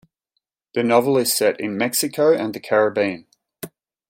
The novel is set in Mexico and the Caribbean.